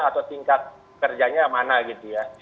atau tingkat kerjanya mana gitu ya